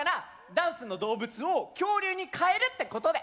ダンスの動物を恐竜に変えるってことで。